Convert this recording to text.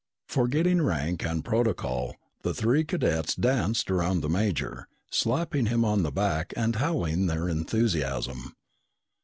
Forgetting rank and protocol, the three cadets danced around the major, slapping him on the back and howling their enthusiasm.